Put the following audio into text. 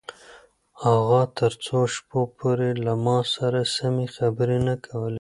اغا تر څو شپو پورې له ما سره سمې خبرې نه کولې.